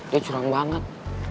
dia curang banget